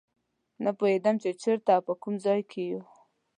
نه پوهېدم چې چېرته او په کوم ځای کې یو.